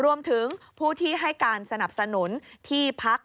รวมถึงผู้ที่ให้การสนับสนุนที่พัก